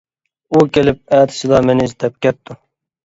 ئۇ كېلىپ ئەتىسىلا مېنى ئىزدەپ كەپتۇ.